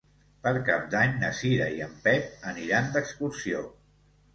Per Cap d'Any na Cira i en Pep aniran d'excursió.